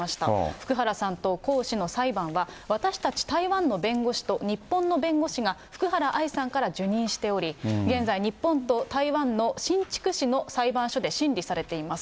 福原さんと江氏の裁判は、私たち台湾の弁護士と日本の弁護士が福原愛さんから受任しており、現在、日本と台湾の新竹市の裁判所で審理されています。